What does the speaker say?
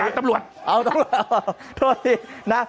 โอ้โหโอ้โห